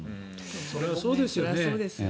それはそうですよね。